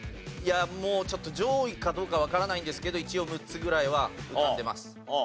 ちょっと上位かどうかわからないんですけど一応６つぐらいは浮かんでます。